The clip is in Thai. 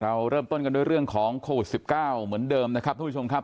เราเริ่มต้นกันด้วยเรื่องของโควิด๑๙เหมือนเดิมนะครับทุกผู้ชมครับ